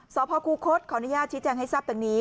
สพคูคศขออนุญาตชี้แจงให้ทราบดังนี้